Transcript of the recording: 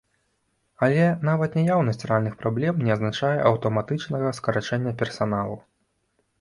Але нават наяўнасць рэальных праблем не азначае аўтаматычнага скарачэння персаналу.